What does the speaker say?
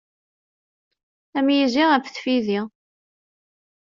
Am yizi af tfidi.